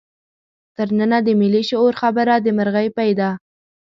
تر ننه د ملي شعور خبره د مرغۍ پۍ ده.